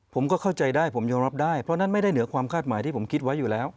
ผมก็เข้าใจได้ผมยอมรับได้เพราะนั้นไม่ได้เหนือความคาดหมายที่ผมคิดไว้อยู่แล้ว